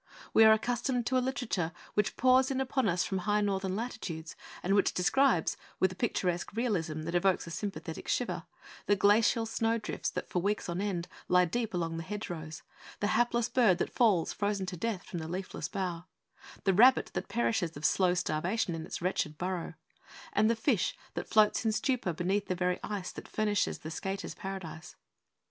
We are accustomed to a literature which pours in upon us from high Northern latitudes, and which describes, with a picturesque realism that evokes a sympathetic shiver, the glacial snowdrifts that, for weeks on end, lie deep along the hedgerows; the hapless bird that falls, frozen to death, from the leafless bough; the rabbit that perishes of slow starvation in its wretched burrow; and the fish that floats in stupor beneath the very ice that furnishes the skater's paradise.